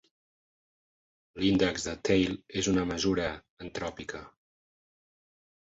L'índex de Theil és una mesura entròpica.